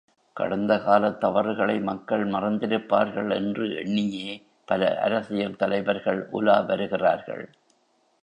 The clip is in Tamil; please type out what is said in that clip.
கடந்த காலத் தவறுகளை மக்கள் மறந்திருப்பார்கள் என்று எண்ணியே பல அரசியல் தலைவர்கள் உலா வருகிறார்கள்.